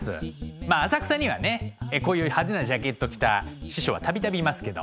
まあ浅草にはねこういう派手なジャケット着た師匠は度々いますけど。